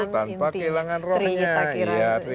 tanpa kehilangan inti